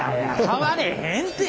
変われへんて。